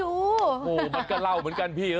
หูวเดี๋ยวกันเล่ากันพี่